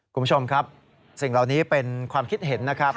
คุณผู้ชมครับสิ่งเหล่านี้เป็นความคิดเห็นนะครับ